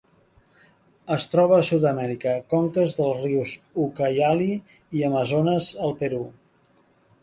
Es troba a Sud-amèrica: conques dels rius Ucayali i Amazones al Perú.